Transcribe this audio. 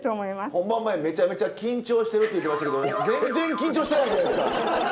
本番前めちゃめちゃ緊張してるって言ってましたけど全然緊張してないじゃないですか。